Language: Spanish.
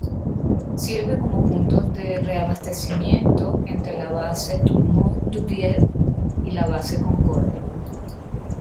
Sirve como punto de reabastecimiento entre la base Dumont d'Urville y la base Concordia.